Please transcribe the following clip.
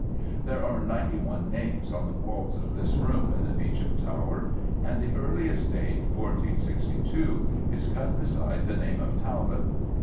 There are ninety one names on the walls of this room in the Beauchamp Tower, and the earliest date, 1462, is cut beside the name of Talbot.